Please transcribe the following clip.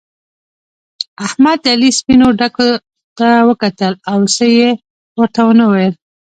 احمد د علي سپينو ډکو ته وکتل او څه يې ورته و نه ويل.